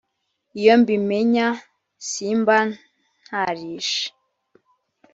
iyo mbimenya simbs ntarishe